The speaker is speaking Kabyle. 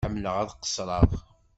Ḥemmleɣ ad qessreɣ.